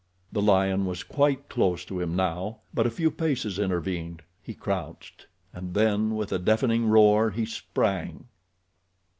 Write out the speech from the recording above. The lion was quite close to him now—but a few paces intervened—he crouched, and then, with a deafening roar, he sprang.